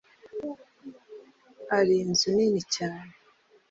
Ari inzu nini cyane